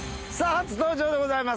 初登場でございます